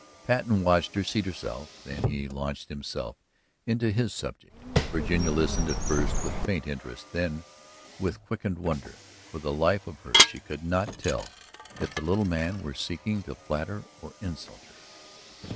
Patten watched her seat herself; then he launched himself into his subject. Virginia listened at first with faint interest, then with quickened wonder. For the life of her she could not tell if the little man were seeking to flatter or insult her.